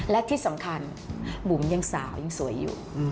และที่สำคัญบุ๋มยังสาวยังสวยอยู่